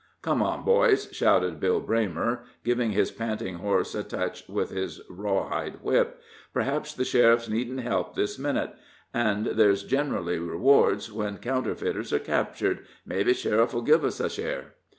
"Come on, boys!" shouted Bill Braymer, giving his panting horse a touch with his raw hide whip; "perhaps, the sheriff's needin' help this minute. An' there's generally rewards when counterfeiters are captured mebbe sheriff'll give us a share."